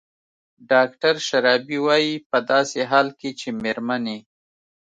ډاکتر شرابي وايي په داسې حال کې چې مېرمنې